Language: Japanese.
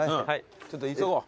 ちょっと急ごう。